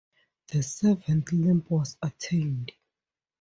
The seventh limb was attained.